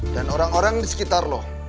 dan orang orang di sekitar lo